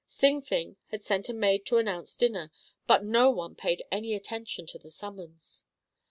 Sing Fing had sent a maid to announce dinner, but no one paid any attention to the summons.